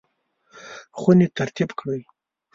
خونې ترتیب کړئ